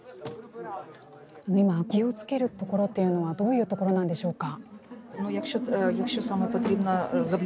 今、気をつけるところはどういうところなんでしょうか。